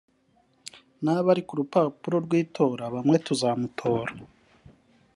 naba ari ku rupapuro rw’itora bamwe bazamutora